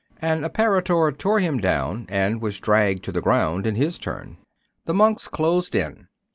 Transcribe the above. An apparitor tore him down, and was dragged to the ground in his turn. The monks closed in.